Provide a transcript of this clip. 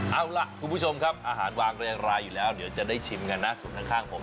เอาล่ะคุณผู้ชมครับอาหารวางเรียงรายอยู่แล้วเดี๋ยวจะได้ชิมกันนะสูตรข้างผม